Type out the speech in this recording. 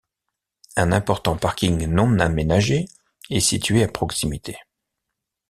Un important parking non aménagé est situé à proximité.